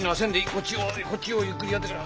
こっちをこっちをゆっくりやってから。